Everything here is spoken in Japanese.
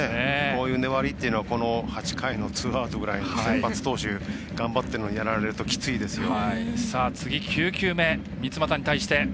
こういう粘りっていうのは８回のツーアウトぐらいに先発投手頑張ってるのにやられるときついですよ。